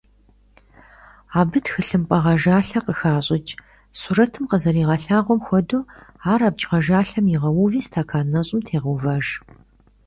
Абы тхылъымпӀэ гъэжалъэ къыхэщӀыкӀ, сурэтым къызэригъэлъагъуэм хуэдэу, ар абдж гъэжалъэм игъэуви стэкан нэщӀым тегъэувэж.